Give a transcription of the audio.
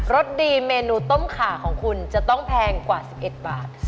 สดีเมนูต้มขาของคุณจะต้องแพงกว่า๑๑บาท